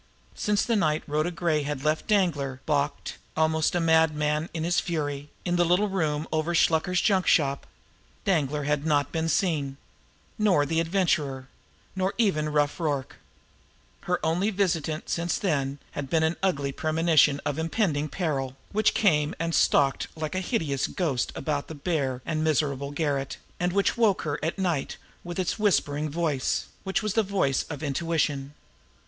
Since the night Rhoda Gray had left Danglar, balked, almost a madman in his fury, in the little room over Shluker's junk shop, Danglar had not been seen nor the Adventurer nor even Rough Rorke. Her only visitant since then had been an ugly premonition of impending peril, which came and stalked like a hideous ghost about the bare and miserable garret, and which woke her at night with its whispering voice which was the voice of intuition.